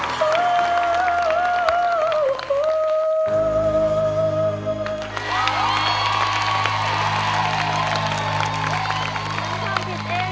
รู้แล้วว่าในที่สุด